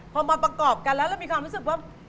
พอมาประกอบกันแล้วเรามีความรู้สึกว่า